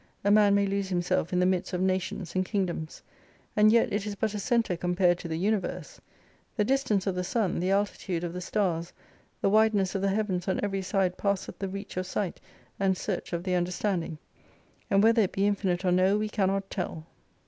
A man may lose himself in the midst of nations and kingdoms. And yet it is but a centre compared to the universe. The distance of the sun, the altitude of the stars, the wide ness of the heavens on every side passeth the reach of sight, and search of the understanding. And whether it be infinite or no, we cannot tell.